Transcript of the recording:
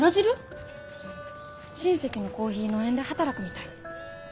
親戚のコーヒー農園で働くみたい。